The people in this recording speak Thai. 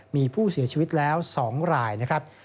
มีผู้เสียชีวิตแล้ว๒รายนะครับ